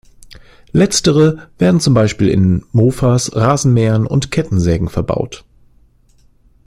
Letztere werden zum Beispiel in Mofas, Rasenmähern und Kettensägen verbaut.